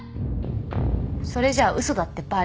それじゃ嘘だってバレる。